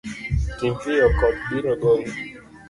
Tim piyo koth biro goyi.